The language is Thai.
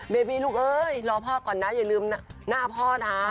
เบบีลูกเอ้ยรอพ่อก่อนนะอย่าลืมหน้าพ่อนะ